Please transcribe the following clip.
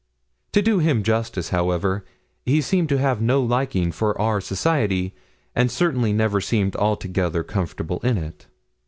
To do him justice, however, he seemed to have no liking for our society, and certainly never seemed altogether comfortable in it.